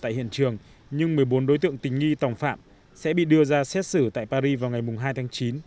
tại hiện trường nhưng một mươi bốn đối tượng tình nghi tòng phạm sẽ bị đưa ra xét xử tại paris vào ngày hai tháng chín